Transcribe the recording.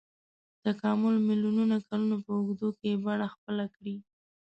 تکامل میلیونونو کلونو په اوږدو کې یې بڼه خپله کړې.